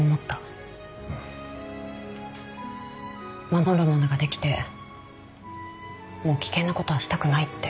守るものができてもう危険な事はしたくないって。